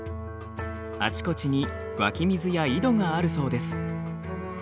あちこちに湧き水や井戸があるそうです。